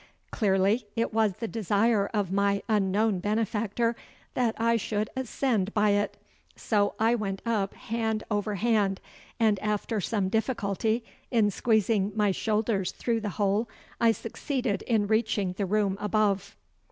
Clearly it was the desire of my unknown benefactor that I should ascend by it, so I went up hand over hand, and after some difficulty in squeezing my shoulders through the hole I succeeded in reaching the room above.